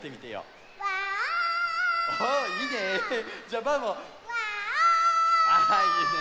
ああいいね！